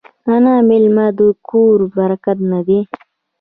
آیا میلمه د کور برکت نه دی؟